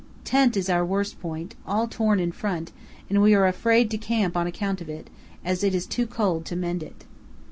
Tent is our worst point, all torn in front, and we are afraid to camp on account of it, as it is too cold to mend it.